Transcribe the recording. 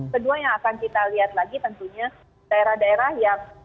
kedua yang akan kita lihat lagi tentunya daerah daerah yang